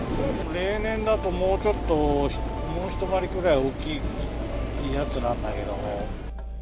例年だともうちょっと、もう一回りぐらい大きいやつなんだけども。